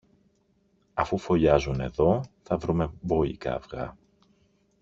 Αφού φωλιάζουν εδώ, θα βρούμε μπόλικα αυγά.